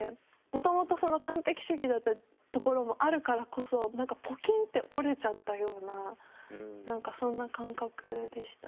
もともとその完璧主義だったところもあるからこそ何かポキンって折れちゃったような何かそんな感覚でしたね。